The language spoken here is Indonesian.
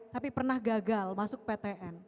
tapi pernah gagal masuk ptn